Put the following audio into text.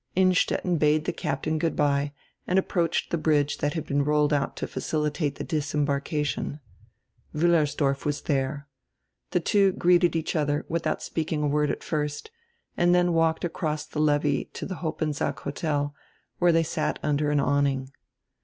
Innstetten bade die captain goodbye and approached die bridge diat had been rolled out to facilitate die disembarkation. Wiillersdorf was diere. The two greeted each odier, widiout speaking a word at first, and dien walked across the levee to die Hoppensack Hotel, where diey sat down under an awning.